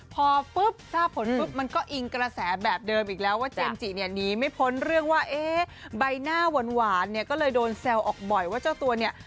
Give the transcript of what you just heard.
พอปุ๊บทราบผลปุ๊บมันก็อิงกระแสแบบเดิมอีกแล้วว่าเจมส์จิเนี่ยหนีไม่พ้นเรื่องว่าเอ๊ะใบหน้าหวานเนี่ยก็เลยโดนแซวออกบ่อยว่าเจ้าตัวเนี่ย